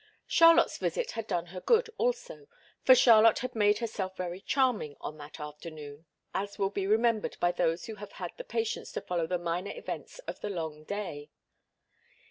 Charlotte's visit had done her good, also, for Charlotte had made herself very charming on that afternoon, as will be remembered by those who have had the patience to follow the minor events of the long day.